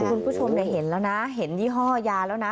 คุณผู้ชมเห็นแล้วนะเห็นยี่ห้อยาแล้วนะ